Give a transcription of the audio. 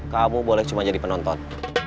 kamu boleh cuma jadi penonton